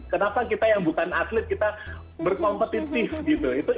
kenapa kita yang bukan atlet kita berkompetitif gitu